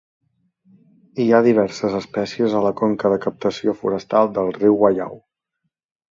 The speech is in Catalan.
Hi ha diverses espècies a la conca de captació forestal del riu Waiau.